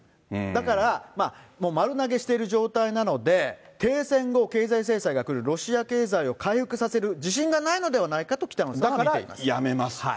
だから丸投げしている状態なので、停戦後、経済制裁が来るロシア経済を回復させる自信がないのではないかと、北野さんは見ています。